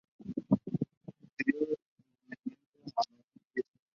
En su interior se venera un Cristo.